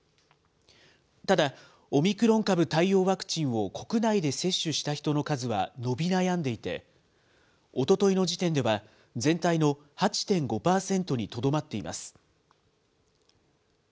ただ、オミクロン株対応ワクチンを国内で接種した人の数は伸び悩んでいて、おとといの時点では全体の８．５％にとどまっています。